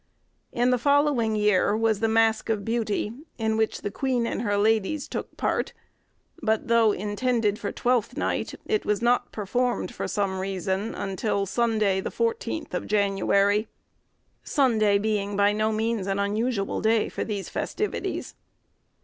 In the following year was the mask of 'Beauty,' in which the queen and her ladies took part; but, though intended for Twelfth Night, it was not performed, for some reason, until Sunday, the 14th of January, Sunday being by no means an unusual day for these festivities.